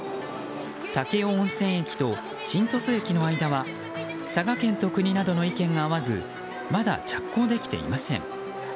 武雄温泉駅と新鳥栖駅の間は佐賀県と国などの意見が合わずまだ着工できていません。